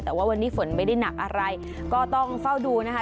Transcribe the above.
แต่ว่าวันนี้ฝนไม่ได้หนักอะไรก็ต้องเฝ้าดูนะคะ